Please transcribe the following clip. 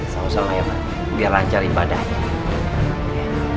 salam salam ya pak biar lancar ibadahnya